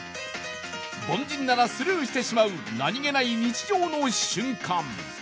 凡人ならスルーしてしまう何気ない日常の瞬間。